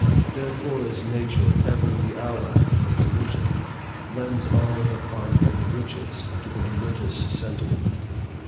Therefore is nature ever the ally of Religion: lends all her pomp and riches to the religious sentiment.